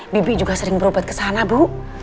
bibi juga sering berobat kesana bu